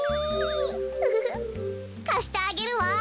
ウフフかしてあげるわ。